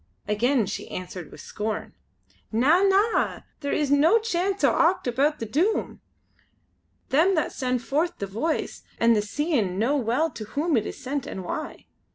Again she answered with scorn: "Na, na! there is no chance o' ocht aboot the Doom. Them that send forth the Voice and the Seein' know well to whom it is sent and why.